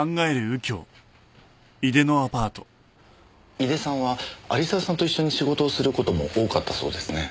井出さんは有沢さんと一緒に仕事をする事も多かったそうですね。